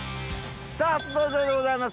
さぁ初登場でございます